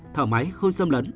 thở máy không xâm lấn